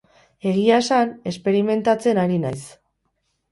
Egia esan, esperimentatzen ari naiz.